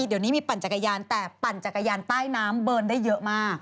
เดี๋ยวนี้มีปั่นจักรยานแต่ปั่นจักรยานใต้น้ำเบิร์นได้เยอะมาก